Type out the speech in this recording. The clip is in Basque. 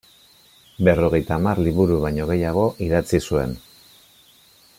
Berrogeita hamar liburu baino gehiago idatzi zuen.